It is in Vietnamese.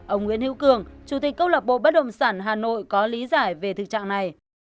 ông nguyễn hữu cường chủ tịch công lập bộ bất động sản hà nội có lý giải về thực trạng này